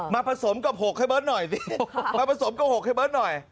ผสมกับ๖ให้เบิร์ตหน่อยสิมาผสมกับ๖ให้เบิร์ตหน่อย